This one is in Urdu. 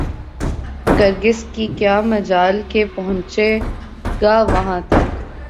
کرگس کی کیا مجال کہ پہنچے گا وہاں تک